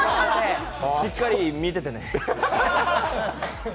しっかり見ててね。